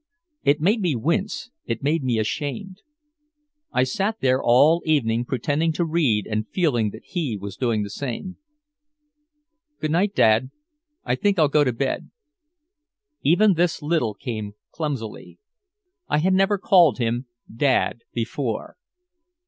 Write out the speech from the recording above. It made me wince, it made me ashamed. I sat there all evening pretending to read and feeling that he was doing the same. "Good night, dad I think I'll go to bed." Even this little came clumsily. I had never called him "dad" before.